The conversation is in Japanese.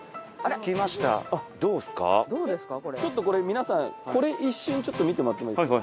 皆さんこれ一瞬ちょっと見てもらってもいいですか？